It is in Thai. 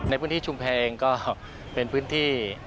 ในพื้นที่ชุมแพงก็เป็นพื้นที่